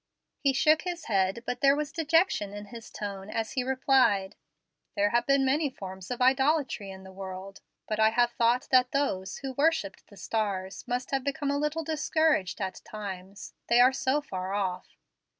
He shook his head, but there was dejection in his tone as he replied, "There have been many forms of idolatry in the world, but I have thought that those who worshipped the stars must have become a little discouraged at times, they are so far off."